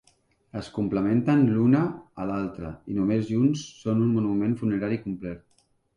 Es complementen l'una a l'altre i només junts són un monument funerari complet.